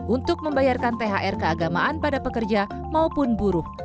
untuk membayarkan thr keagamaan pada pekerja maupun buruh